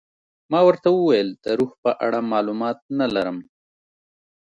ما ورته وویل د روح په اړه معلومات نه لرم.